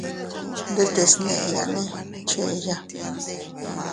Ndetes neʼeyane cheya.